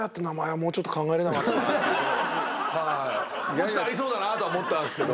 もうちょっとありそうだなとは思ったんすけど。